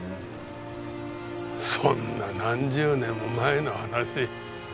そんな何十年も前の話。